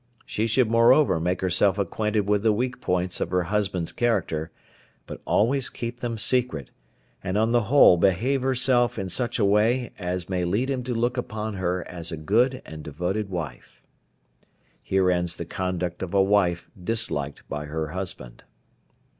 She should moreover make herself acquainted with the weak points of her husband's character, but always keep them secret, and on the whole behave herself in such an way as may lead him to look upon her as a good and devoted wife. Here ends the conduct of a wife disliked by her husband.